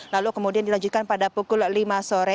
lalu kemudian dilanjutkan pada pukul lima sore